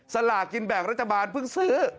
สลากินแบ่งรัฐบาลเพิ่งซื้อ